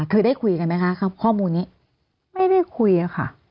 เคยได้คุยกันไหมคะครับข้อมูลนี้ไม่ได้คุยค่ะ